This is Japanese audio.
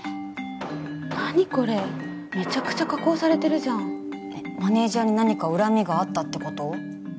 何これめちゃくちゃ加工されてるじゃんマネージャーに何か恨みがあったってこと？